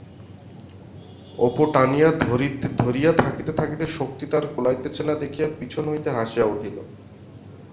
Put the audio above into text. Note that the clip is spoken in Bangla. অপু টানিয়া ধরিয়া থাকিতে থাকিতে শক্তিতে আর কুলাইতেছে না দেখিয়া পিছন হইতে হাসিয়া উঠিল।